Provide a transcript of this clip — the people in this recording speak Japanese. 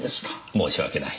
申し訳ない。